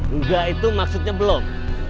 enggak itu maksudnya belum